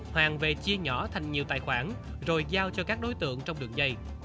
hoàng về chia nhỏ thành nhiều tài khoản rồi giao cho các đối tượng trong đường dây